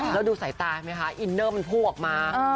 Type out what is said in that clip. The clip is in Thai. แล้วดูสายตาไหมคะอินเนอร์มันพุ่งออกมา